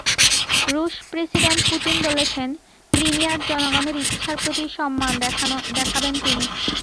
রুশ president Putin বলেছেন, ক্রিমিয়ার জনগণের ইচ্ছার প্রতি সম্মান দেখাবেন তিনি।